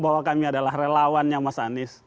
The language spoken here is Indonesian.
bahwa kami adalah relawannya mas anies